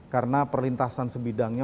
karena perlintasan sebidangnya